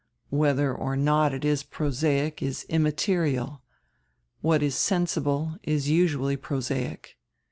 Whedier or not it is prosaic is immaterial. What is sensible is usually prosaic.